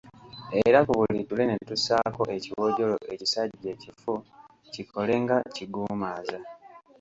Era ku buli ttule ne tussaako ekiwojjolo ekisajja ekifu kikole nga kiguumaaza.